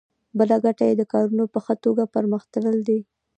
بله ګټه یې د کارونو په ښه توګه پرمخ تلل دي.